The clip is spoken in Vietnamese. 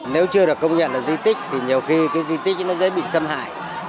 nếu chưa được công nhận là di tích thì nhiều khi cái di tích ấy nó dễ bị xâm hại